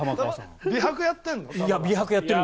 美白やってるの？